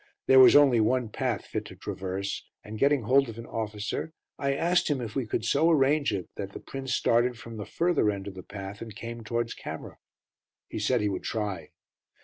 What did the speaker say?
There was only one path fit to traverse, and getting hold of an officer, I asked him if we could so arrange it that the Prince started from the further end of the path and came towards camera. He said he would try.